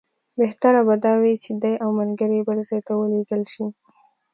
بهتره به دا وي چې دی او ملګري یې بل ځای ته ولېږل شي.